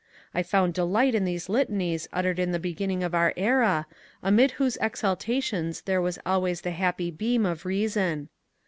I found delight in these litanies uttered in the beginning of our era, amid whose exaltations there was al ways the happy beam of reason.